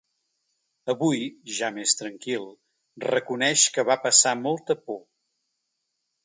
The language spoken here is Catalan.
Avui, ja més tranquil, reconeix que va passar molta por.